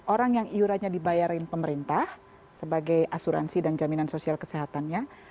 orang yang iurannya dibayarin pemerintah sebagai asuransi dan jaminan sosial kesehatannya